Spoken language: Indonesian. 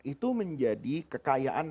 itu menjadi kekayaan